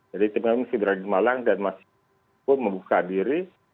jadi tim kami masih berada di malang dan masih pun membuka diri